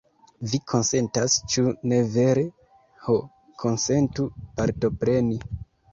Vi konsentas, ĉu ne vere? Ho, konsentu partopreni!